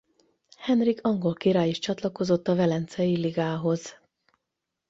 Henrik angol király is csatlakozott a velencei ligához.